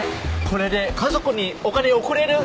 これで家族にお金送れる！